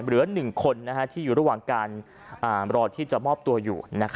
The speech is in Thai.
เหลือ๑คนที่อยู่ระหว่างการรอที่จะมอบตัวอยู่